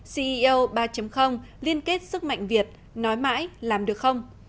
ceo ba liên kết sức mạnh việt nói mãi làm được không